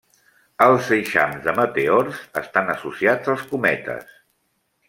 Els eixams de meteors estan associats als cometes.